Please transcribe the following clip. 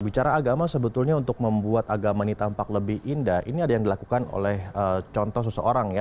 bicara agama sebetulnya untuk membuat agama ini tampak lebih indah ini ada yang dilakukan oleh contoh seseorang ya